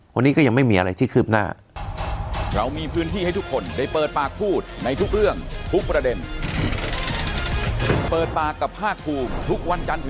วันนี้ก็ยังไม่มีอะไรที่คืบหน้า